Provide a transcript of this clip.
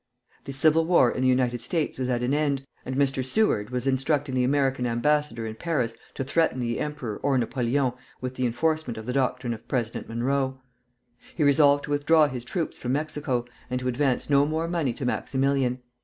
The Civil War in the United States was at an end, and Mr. Seward was instructing the American ambassador in Paris to threaten the Emperor Napoleon with the enforcement of the doctrine of President Monroe. He resolved to withdraw his troops from Mexico, and to advance no more money to Maximilian.